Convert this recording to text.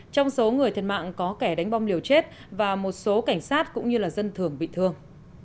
trong số người thiệt mạng có kẻ đánh bom liều chết và một số cảnh sát cũng như dân thường bị thương